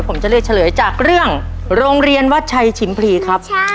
ผมจะเลือกเฉลยจากเรื่องโรงเรียนวัดชัยชิมพลีครับ